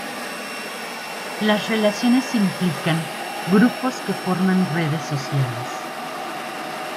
Las relaciones implican grupos que forman redes sociales.